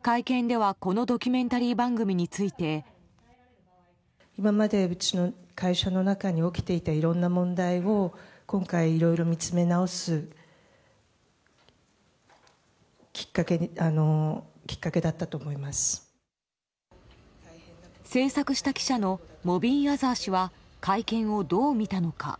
会見では、このドキュメンタリー番組について。制作した記者のモビーン・アザー氏は会見をどう見たのか。